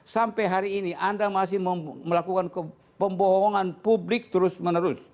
sampai hari ini anda masih melakukan pembohongan publik terus menerus